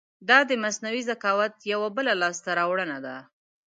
دا د مصنوعي ذکاوت یو بله لاسته راوړنه ده.